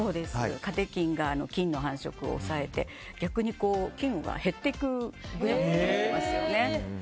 カテキンが菌の繁殖を抑えて逆に菌が減っていくグラフになっていますよね。